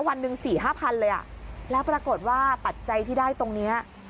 วันหนึ่ง๔๕๐๐เลยแล้วปรากฏว่าปัจจัยที่ได้ตรงนี้